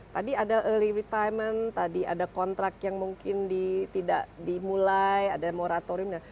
tadi ada early retimon tadi ada kontrak yang mungkin tidak dimulai ada moratorium